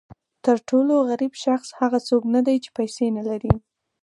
تر ټولو غریب شخص هغه څوک نه دی چې پیسې نه لري.